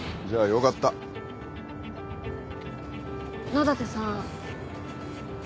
野立さん。